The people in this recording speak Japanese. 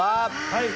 はい。